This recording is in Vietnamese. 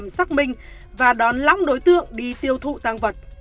sắc minh và đón lóng đối tượng đi tiêu thụ tăng vật